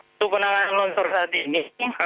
untuk penanganan longsor saat ini